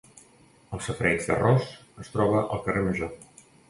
El safareig d'Arròs es troba al carrer Major.